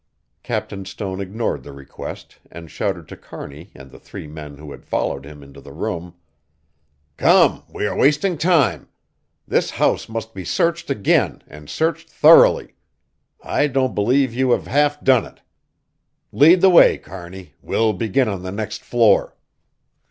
Captain Stone ignored the request and shouted to Kearney and the three men who had followed him into the room: "Come, we are wasting time. This house must be searched again and searched thoroughly. I don't believe you have half done it. Lead the way, Kearney, we'll begin on the next floor."